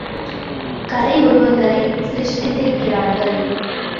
கலை உருவங்களை சிருஷ்டித்திருக்கிறார்கள்.